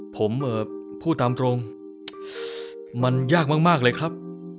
ผมเอ่อพูดตามตรงมันยากมากมากเลยครับ